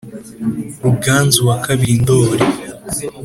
ruganzu wa kabiri ndoli